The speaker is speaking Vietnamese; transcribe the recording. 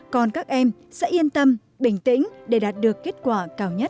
còn các em sẽ yên tâm bình tĩnh để đạt được kết quả cao nhất